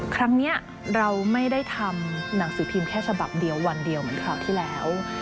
ครั้งนี้เราไม่ได้ทำหนังสือพิมพ์แค่ฉบับเดียววันเดียวเหมือนคราวที่แล้ว